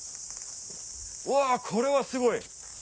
うわこれはすごい！